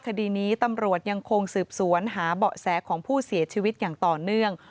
คดีนี้ตำรวจยังคงสืบสวนหาเบาะแสของผู้เสียชีวิตอย่างต่อเนื่อง